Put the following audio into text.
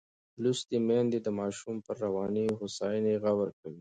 لوستې میندې د ماشوم پر رواني هوساینې غور کوي.